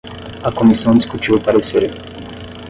A comissão discutiu o parecer